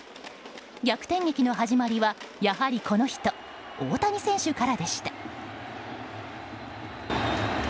逆転劇の始まりはやはりこの人大谷選手からでした。